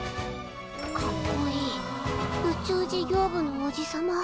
かっこいい宇宙事業部のおじ様。